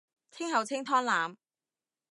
天后清湯腩